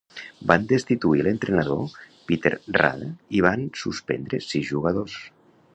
Van destituir l'entrenador Petr Rada i van suspendre sis jugadors.